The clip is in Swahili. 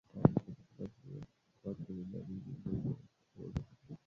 Vidonda vyenye harufu kali katikati ya kwato ni dalili ya ugonjwa wa kuoza kwato